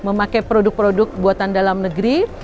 memakai produk produk buatan dalam negeri